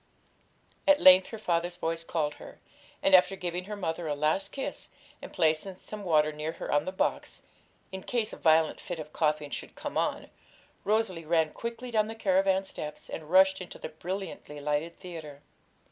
At length her father's voice called her, and after giving her mother a last kiss, and placing some water near her on the box, in case a violent fit of coughing should come on, Rosalie ran quickly down the caravan steps, and rushed into the brilliantly lighted theatre.